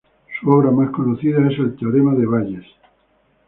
Su obra más conocida es el Teorema de Bayes.